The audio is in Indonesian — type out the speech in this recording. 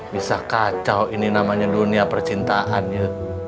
bisa kacau ini namanya dunia percintaan ya